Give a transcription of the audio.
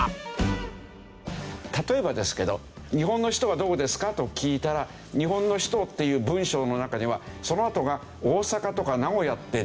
例えばですけど日本の首都はどこですか？と聞いたら「日本の首都」という文章の中にはそのあとが大阪とか名古屋ってないよね。